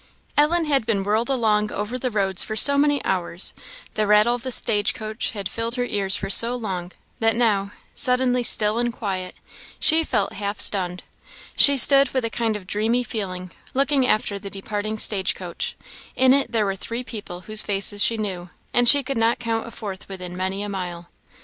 Ellen had been whirled along over the roads for so many hours the rattle of the stage coach had filled her ears for so long that now, suddenly still and quiet, she felt half stunned. She stood with a kind of dreamy feeling, looking after the departing stage coach. In it there were three people whose faces she knew, and she could not count a fourth within many a mile.